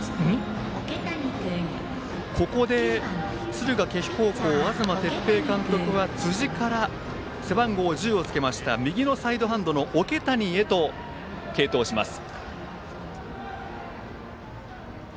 敦賀気比高校、東哲平監督はここで辻から背番号１０の右のサイドハンド桶谷へと継投します。